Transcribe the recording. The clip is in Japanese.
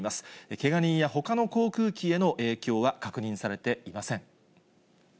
けが人やほかの航空機への影響は確認されていません。